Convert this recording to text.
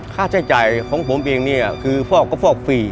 ค่าใช้จ่ายของผมเองเนี่ยคือฟอกก็ฟอกฟรี